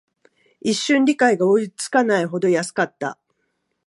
一瞬、理解が追いつかないほど安かった